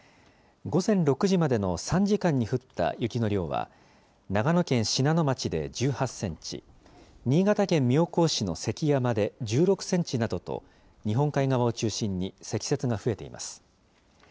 午前６時までの３時間に降った雪の量は、長野県信濃町で１８センチ、新潟県妙高市の関山で、１６センチなどと、日本海側を中心に積雪が増えています。